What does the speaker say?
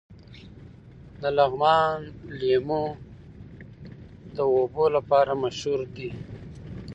د لغمان لیمو د اوبو لپاره مشهور دي.